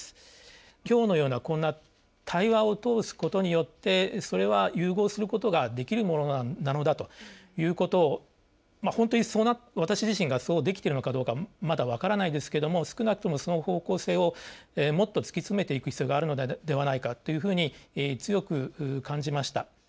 今日のようなこんな対話を通すことによってそれは融合することができるものなのだということを本当に私自身がそうできているのかどうかまだ分からないですけども少なくともその方向性をもっと突き詰めていく必要があるのではないかというふうに強く感じました。